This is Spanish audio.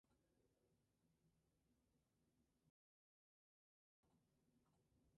Se consideraba inmoral por los judíos y causó un gran escándalo religioso en Judea.